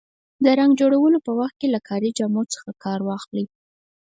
د رنګ جوړولو په وخت کې له کاري جامو څخه کار واخلئ.